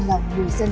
chào các bạn